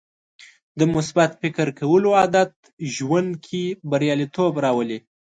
د مثبت فکر کولو عادت ژوند کې بریالیتوب راولي.